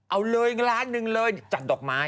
เอาเลยล้านหนึ่งเลยจัดดอกไม้